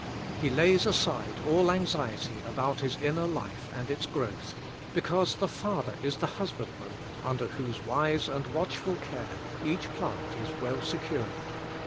He lays aside all anxiety about his inner life and its growth, because the Father is the Hus bandman under whose wise and watchful care each plant is well secured.